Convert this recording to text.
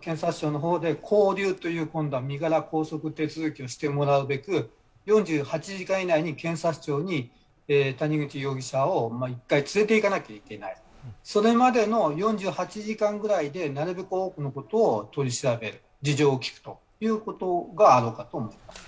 検察庁の方でこう留という身柄拘束手続きをしてもらうべく４８時間以内に検察庁に谷口容疑者を１回連れていかなければいけないそれまでの４８時間ぐらいでなるべく多くのことを取り調べる、事情を聴くということがあろうかと思います。